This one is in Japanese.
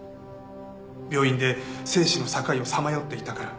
病院で生死の境をさまよっていたから。